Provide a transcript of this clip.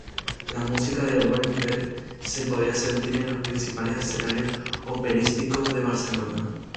La música de Wagner se podía sentir en los principales escenarios operísticos de Barcelona.